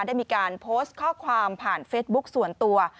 ได้มีการโพสต์ข้อความผ่านเฟซบุ๊คส่วนตัว